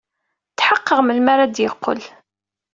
Tḥeqqeɣ melmi ara d-yeqqel.